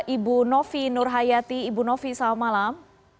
ibu novi nurhayati ibu novi selamat malam